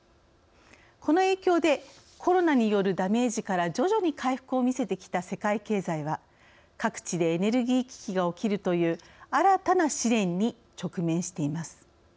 この影響でコロナによるダメージから徐々に回復を見せてきた世界経済は各地でエネルギー危機が起きるという新たな試練に直面しています。